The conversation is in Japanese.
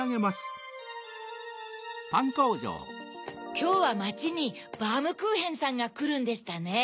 きょうはまちにバームクーヘンさんがくるんでしたね。